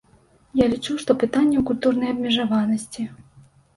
Я лічу, што пытанне ў культурнай абмежаванасці.